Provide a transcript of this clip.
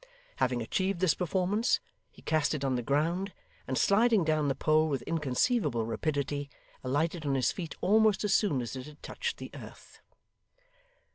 Having achieved this performance, he cast it on the ground, and sliding down the pole with inconceivable rapidity, alighted on his feet almost as soon as it had touched the earth.